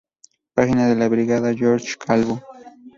Página de la Brigada Jorge Calvo.